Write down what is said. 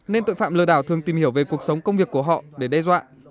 nên tội phạm lừa đảo thường tìm hiểu về cuộc sống công việc của họ để đe dọa